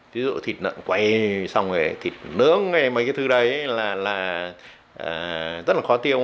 ví dụ thịt lợn quay xong rồi thịt nướng mấy cái thứ đấy là rất là khó tiêu